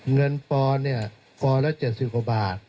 เงินปลอเนี่ยปลอละ๗๐กว่าบาท